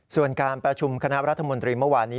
ส่วนการประชุมคณะรัฐมนตรีเมื่อวานนี้